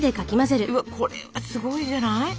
これはすごいじゃない？